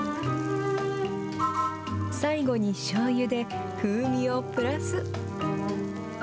最後にしょうゆで風味をプラス。